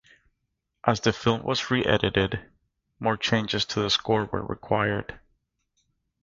As the film was re-edited, more changes to the score were required.